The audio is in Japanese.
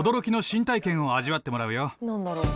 何だろう？